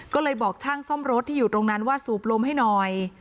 ก็เลยบอกช่างซ่อมรถที่อยู่ตรงนั้นว่าสูบลมให้หน่อย